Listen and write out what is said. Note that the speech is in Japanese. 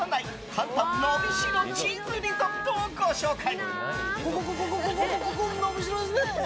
簡単のびしろチーズリゾットをご紹介。